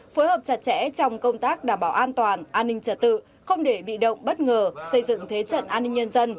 phối hợp chặt chẽ trong công tác đảm bảo an toàn an ninh trật tự không để bị động bất ngờ xây dựng thế trận an ninh nhân dân